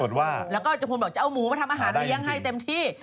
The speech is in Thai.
แล้วก็เจ้าพลบอกจะเอาหมูมาทำอาหารเลี้ยงให้เต็มที่